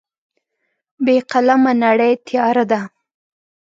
بې قلمه نړۍ تیاره ده.